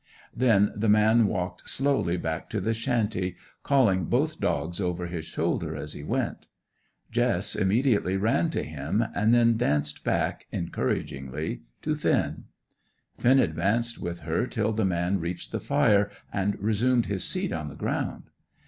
Then the man walked slowly back to the shanty, calling both dogs over his shoulder as he went. Jess obediently ran to him, and then danced back, encouragingly, to Finn. Finn advanced with her till the man reached the fire and resumed his seat on the ground.